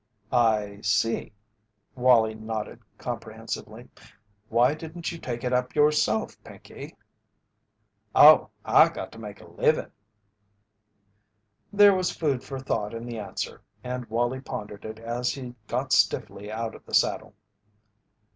"I see." Wallie nodded comprehensively. "Why didn't you take it up yourself, Pinkey?" "Oh, I got to make a livin'." There was food for thought in the answer and Wallie pondered it as he got stiffly out of the saddle.